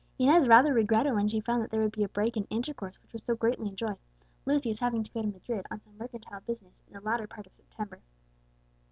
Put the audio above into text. Inez rather regretted when she found that there would be a break in intercourse which was so greatly enjoyed, Lucius having to go to Madrid on some mercantile business in the latter part of September.